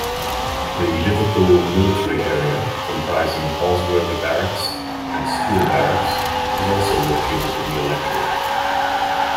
The Liverpool Military Area-comprising Holsworthy Barracks and Steele Barracks-is also located in the electorate.